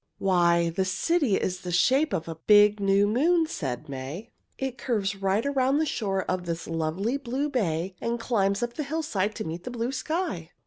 "Why, the city is the shape of a big, new moon," said May. "It curves right around the shore of this lovely, blue bay, and climbs up the hillside to meet the blue sky.